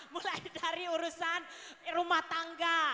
mulai dari urusan rumah tangga